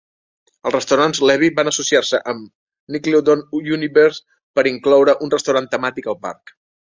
Els restaurants Levy van associar-se amb Nickelodeon Universe per incloure un restaurant temàtic al parc.